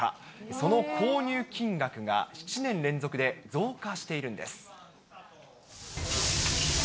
その購入金額が７年連続で増加しているんです。